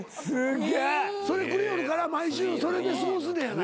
それくれよるから毎週それで過ごすんねんやないかい。